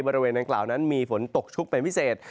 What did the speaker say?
บริเวณดังกล่าวนั้นมีฝนตกชุกเป็นพิเศษ